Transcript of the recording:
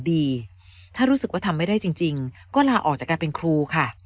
ถ้ารู้สึกว่าทำไม่ได้จริงก็ลาออกจากการเป็นครูค่ะ